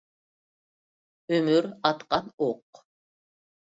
ئۆمۈر ئاتقان ئوق.